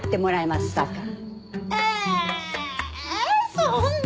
そんな。